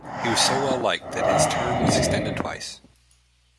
He was so well-liked that his term was extended twice.